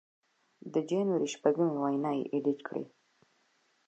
د جنوري شپږمې وینا یې اېډېټ کړې